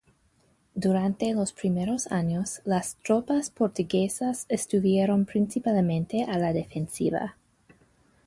Durante los primeros años las tropas portuguesas estuvieron principalmente a la defensiva.